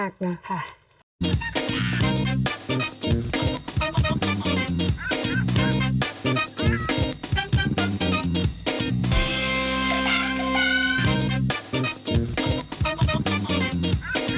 กลับไปกลับไป